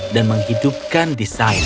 dan menghidupkan desain